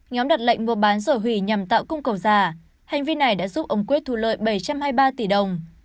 nhóm đặt lệnh mua bán rồi hủy nhằm tạo cung cầu giả hành vi này đã giúp ông quyết thu lợi bảy trăm hai mươi ba tỷ đồng